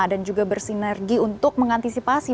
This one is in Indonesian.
juga bersinergi untuk mengantisipasi